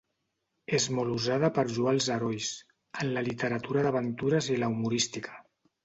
És molt usada per lloar els herois, en la literatura d'aventures i la humorística.